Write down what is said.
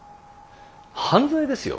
犯罪ですよ